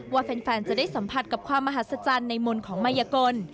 ว่าแฟนจะได้สัมผัสกับความมหัศจรรย์ในมนต์ของมายกล